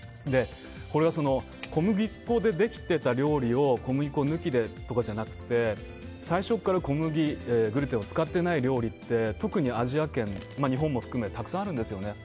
これは小麦粉でできていた料理を小麦粉を抜きでとかじゃなくて最初からグルテンを使っていない料理って特にアジア圏、日本も含めてたくさんあるんですよね。